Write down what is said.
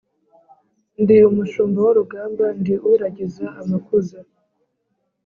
Ndi umushumba w'urugamba, ndi uragiza amakuza